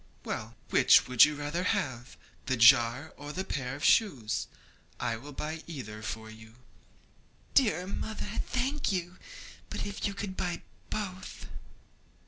'Well, which would you rather have that jar or a pair of shoes? I will buy either for you.' 'Dear mother, thank you! but if you could buy both?'